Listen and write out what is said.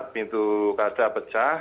pintu kaca pecah